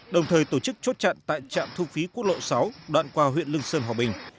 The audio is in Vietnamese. đồng thời tổ chức chốt chặn tại trạm thu phí quốc lộ sáu đoạn qua huyện lương sơn hòa bình